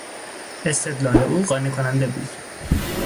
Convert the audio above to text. استدلال او قانع کننده بود.